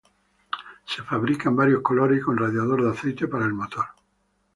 Se fabrica en varios colores y con radiador de aceite para el motor.